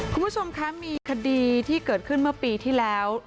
คุณผู้ชมคะมีคดีที่เกิดขึ้นเมื่อปีที่แล้ว